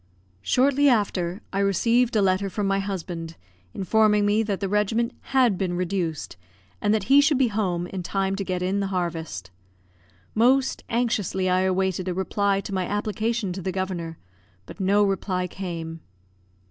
Shortly after, I received a letter from my husband, informing me that the regiment had been reduced, and that he should be home in time to get in the harvest. Most anxiously I awaited a reply to my application to the Governor; but no reply came.